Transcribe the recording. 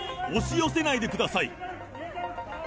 押し寄せないでください。